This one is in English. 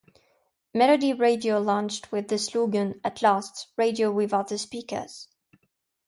Melody Radio launched with the slogan 'At last - radio without the speakers'.